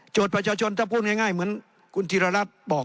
ประชาชนถ้าพูดง่ายเหมือนคุณธิรรัฐบอก